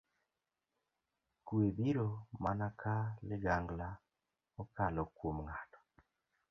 Kuwe biro mana ka ligangla okalo kuom ng'ato.